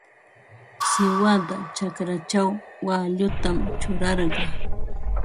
Siwada chakrachaw waallutam churarqaa.